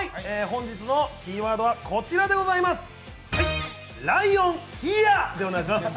本日のキーワードはこちらでございます。